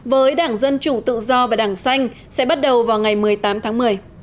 với đảng dân chủ tự do và đảng xanh sẽ bắt đầu vào ngày một mươi tám tháng một mươi